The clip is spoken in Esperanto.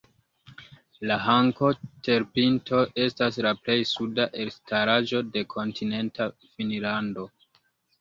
La Hanko-terpinto estas la plej suda elstaraĵo de kontinenta Finnlando.